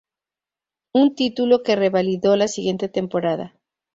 Un título que revalidó la siguiente temporada.